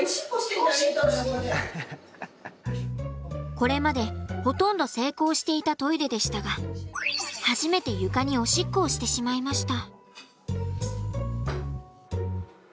これまでほとんど成功していたトイレでしたが初めて床におしっこをしてしまいました。